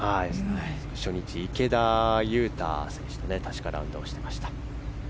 初日、池田勇太選手と確かラウンドをしていました。